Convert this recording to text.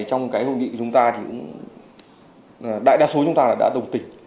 trong cái hội nghị chúng ta thì đại đa số chúng ta đã đồng tình